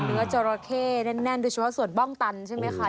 เนื้อเจอราเข้แน่นด้วยเฉพาะส่วนบ้องตันใช่ไหมคะ